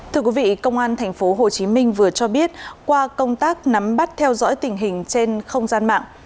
thưa quý vị công an tp hcm vừa cho biết qua công tác nắm bắt theo dõi tình hình trên không gian mạng